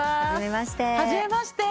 初めまして。